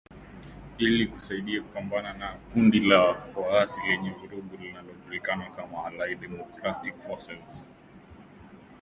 Ili kusaidia kupambana na kundi la waasi lenye vurugu linalojulikana kama Allied Democratic Forces